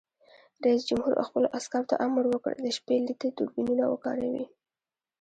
رئیس جمهور خپلو عسکرو ته امر وکړ؛ د شپې لید دوربینونه وکاروئ!